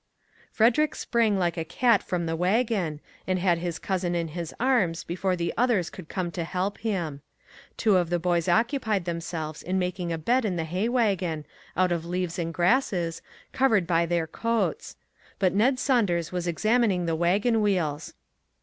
Frederick sprang like a cat from the wagon, and had his cousin in his arms before the others could come to help him. Two of the boys oc cupied themselves in making a bed in the hay wagon, out of leaves and grasses, covered by their coats; but Ned Saunders was examining the wagon wheels.